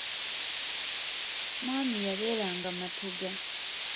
Mwami yabeeranga Matugga.